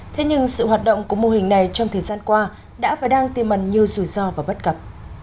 thế nhưng sự hoạt động của mô hình này trong thời gian qua đã và đang tiêm mần nhiều rủi ro và bất cập